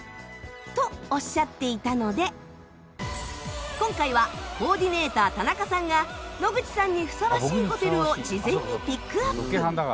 とおっしゃっていたので今回はコーディネーター田中さんが野口さんにふさわしいホテルを事前にピックアップ。